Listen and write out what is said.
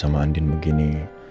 sama andin begini